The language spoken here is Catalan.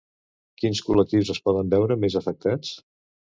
Quins col·lectius es poden veure més afectats?